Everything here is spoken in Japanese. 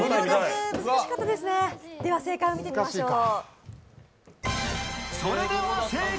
正解を見てみましょう。